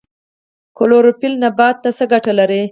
کلوروفیل نبات ته څه ګټه لري؟